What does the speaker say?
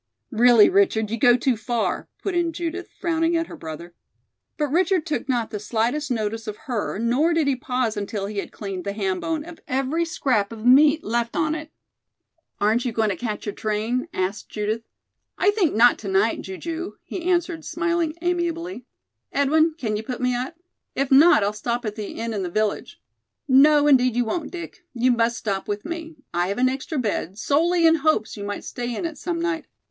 "Really, Richard, you go too far," put in Judith, frowning at her brother. But Richard took not the slightest notice of her, nor did he pause until he had cleaned the ham bone of every scrap of meat left on it. "Aren't you going to catch your train?" asked Judith. "I think not to night, Ju ju," he answered, smiling amiably. "Edwin, can you put me up? If not, I'll stop at the inn in the village." "No, indeed, you won't, Dick. You must stop with me. I have an extra bed, solely in hopes you might stay in it some night.